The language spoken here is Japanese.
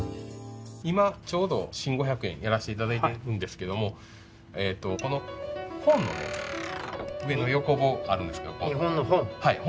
今ちょうど新５００円やらせていただいてるんですけどもこの「本」のね上の横棒あるんですけども日本の「本」？